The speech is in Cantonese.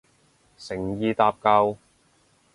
誠意搭救